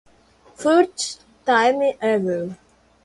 First time ever.